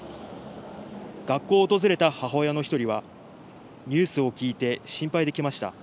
学校を訪れた母親の１人はニュースを聞いて心配で来ました。